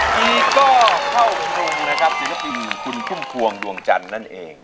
นี่ก็เข้าถึงนะครับศิลปินคุณคุ้มควงดวงจันนั่นเอง